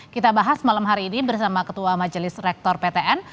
kita bahas malam hari ini bersama ketua majelis rektor ptn